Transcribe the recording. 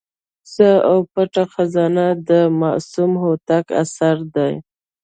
زه او پټه خزانه د معصوم هوتک اثر دی.